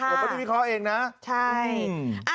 ผมก็ได้วิเคราะห์เองนะ